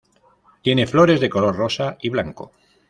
Tiene flores de color rosa y blanco.